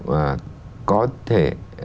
và có thể